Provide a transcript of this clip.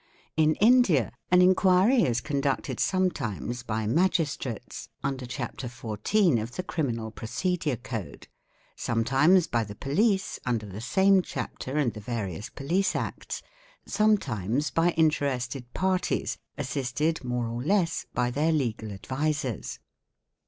In India an inquiry is conducted sometimes by Magis trates (under Chapter XIV of the Criminal Procedure Code), sometimes by the Police (under the same Chapter and the various Police Acts), ? sometimes by interested parties, assisted, more or less, by their legal advisers.